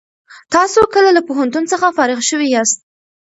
تاسو کله له پوهنتون څخه فارغ شوي یاست؟